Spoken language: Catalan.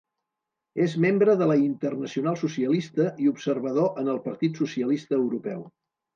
És membre de la Internacional Socialista i observador en el Partit Socialista Europeu.